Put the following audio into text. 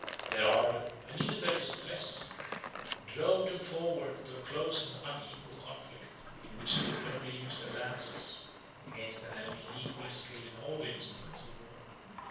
Their ardor, and even their distress, drove them forwards to a close and unequal conflict, in which they could only use their lances against an enemy equally skilled in all the instruments of war.